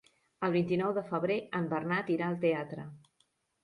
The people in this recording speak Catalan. El vint-i-nou de febrer en Bernat irà al teatre.